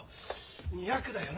２００だよな